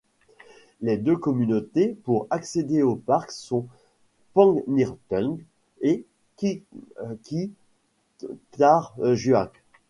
Les deux communautés pour accéder au parc sont Pangnirtung et Qikiqtarjuaq.